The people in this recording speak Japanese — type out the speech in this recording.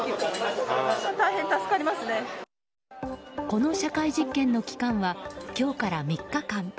この社会実験の期間は今日から３日間。